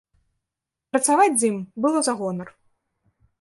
Працаваць з ім было за гонар.